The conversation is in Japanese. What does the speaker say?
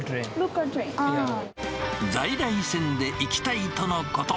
在来線で行きたいとのこと。